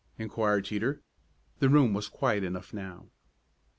inquired Teeter. The room was quiet enough now.